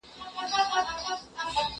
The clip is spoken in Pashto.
زه خواړه نه ورکوم؟!